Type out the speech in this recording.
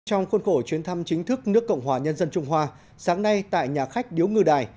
trong khuôn khổ chuyến thăm chính thức nước cộng hòa nhân dân trung hoa sáng nay tại nhà khách điếu ngư đài